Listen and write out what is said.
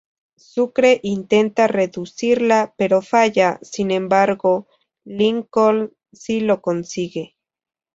Sucre intenta reducirla, pero falla, sin embargo, Lincoln sí lo consigue.